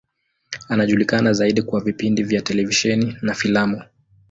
Anajulikana zaidi kwa vipindi vya televisheni na filamu.